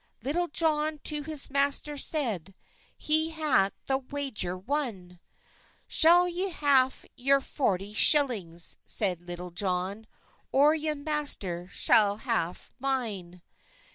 Leytell John to hes master seyde, "He haet the wager won? "Schall y haff yowr forty shillings," seyde Lytel John, "Or ye, master, schall haffe myne?"